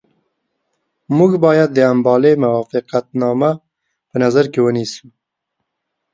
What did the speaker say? موږ باید د امبالې موافقتنامه په نظر کې ونیسو.